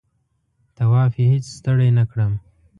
طواف یې هېڅ ستړی نه کړم.